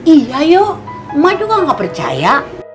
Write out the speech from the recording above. iya yo emak juga gak percaya